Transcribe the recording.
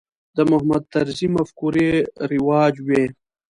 د محمود طرزي مفکورې رواج وې.